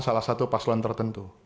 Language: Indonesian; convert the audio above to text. salah satu paslon tertentu